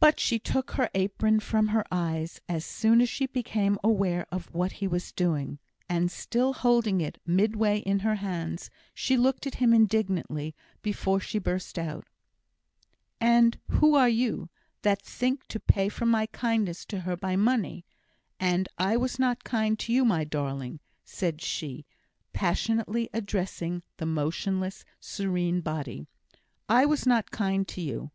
But she took her apron from her eyes, as soon as she became aware of what he was doing, and, still holding it midway in her hands, she looked at him indignantly, before she burst out: "And who are you, that think to pay for my kindness to her by money? And I was not kind to you, my darling," said she, passionately addressing the motionless, serene body "I was not kind to you.